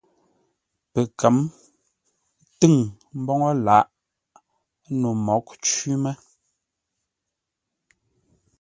Pəkə̌m tʉ̂ŋ mboŋə́ lǎʼ no mǒghʼ cwí mə́.